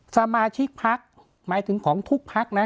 สมาชิกพักหมายถึงของทุกพักนะ